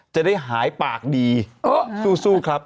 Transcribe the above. จะได้หายปากดีสู้ครับ